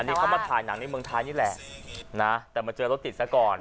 นี่เขามาถ่ายหนังในเมืองไทยนี่แหละนะแต่มาเจอรถติดซะก่อน